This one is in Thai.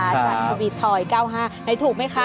อาจจะบิดถอยเก้าห้าไหนถูกไหมคะ